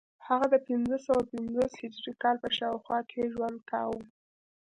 هغه د پنځه سوه پنځوس هجري کال په شاوخوا کې ژوند کاوه